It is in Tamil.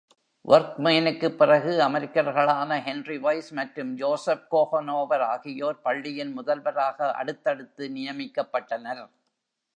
வொர்க்மேனுக்குப் பிறகு அமெரிக்கர்களான ஹென்றி வைஸ் மற்றும் ஜோசப் கோகனோவர் ஆகியோர் பள்ளியின் முதல்வராக அடுத்தடுத்து நியமிக்கப்பட்டனர்.